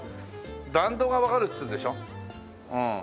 弾道がわかるっつうんでしょ。